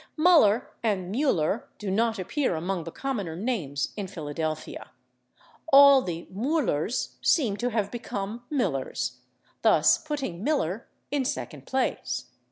/Muller/ and /Mueller/ do not appear among the commoner names in Philadelphia; all the /Müllers/ seem to have become /Millers/, thus putting /Miller/ in second place.